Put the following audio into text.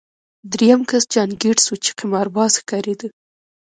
درېیم کس جان ګیټس و چې قمارباز ښکارېده